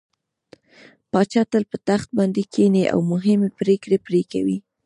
پاچا تل په تخت باندې کيني او مهمې پرېکړې پرې کوي.